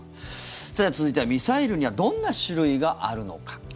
続いては、ミサイルにはどんな種類があるのか。